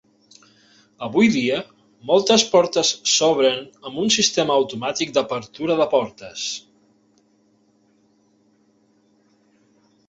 Avui dia, moltes portes s'obren amb un sistema automàtic d'apertura de portes.